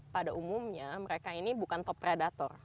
pada umumnya mereka ini bukan top predator